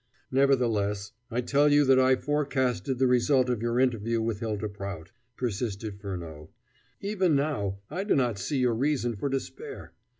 "Nevertheless, I tell you that I forecasted the result of your interview with Hylda Prout," persisted Furneaux. "Even now I do not see your reason for despair.